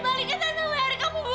balikin tante aku